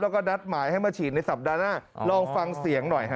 แล้วก็นัดหมายให้มาฉีดในสัปดาห์หน้าลองฟังเสียงหน่อยฮะ